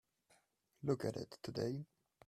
Look at it today.